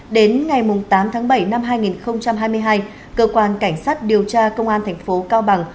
đến ngày tám tháng bảy năm hai nghìn hai mươi hai cơ quan cảnh sát điều tra công an thành phố cao bằng